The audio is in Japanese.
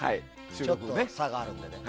ちょっと差があるのでね。